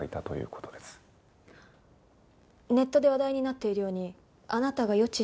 ネットで話題になっているようにあなたが予知したって事ですか？